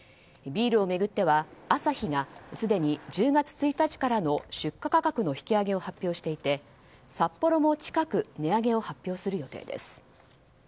ビールを巡ってはアサヒがすでに１０月１日からの出荷価格の引き上げを発表していてサッポロも近く値上げを発表する予定です。